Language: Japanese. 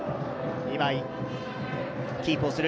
キープをする。